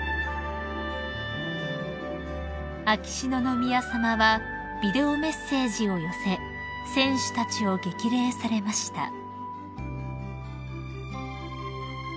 ［秋篠宮さまはビデオメッセージを寄せ選手たちを激励されました］